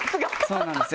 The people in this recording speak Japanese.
そうなんですよ。